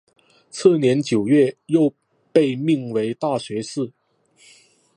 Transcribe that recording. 次年九月又被命为大学士。